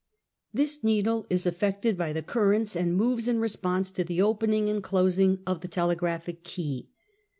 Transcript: This needle is affected by the currents, and moves in response to the opening and closing of the telegraphic key.